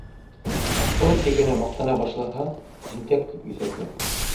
Аҡыллы тигәнең маҡтана башлаһа, тинтәк тип иҫәплә.